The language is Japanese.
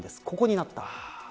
ここにあった。